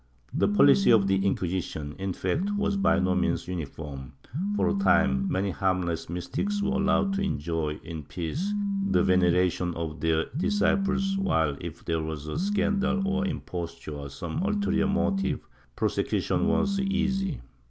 The policy of the Inquisition, in fact, was by no means uniform; for a time many harmless mys tics were allowed to enjoy in peace the veneration of their disciples while, if there was scandal or imposture or some ulte rior motive, prosecution was easy.